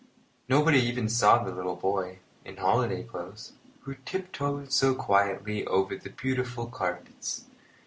Nobody even saw the little boy, in holiday clothes, who tiptoed so quietly over the beautiful carpets.